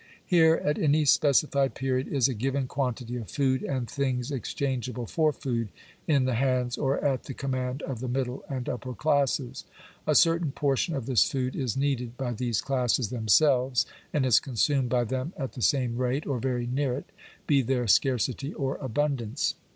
Here, at any specified period, is a given quantity of food and things exchangable for food, in the hands or at the command of the middle and upper classes. A certain portion of this food is needed by these classes themselves, and is consumed by them at the same rate, or very near it, be there scarcity or abundance.